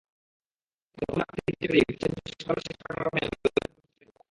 রাত তখন তিনটা পেরিয়ে গেছে, চলছে বিশ্বকাপের শেষ কোয়ার্টার ফাইনালে হল্যান্ড-কোস্টারিকার খেলা।